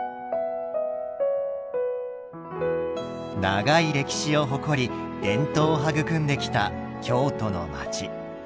長い歴史を誇り伝統を育んできた京都の街。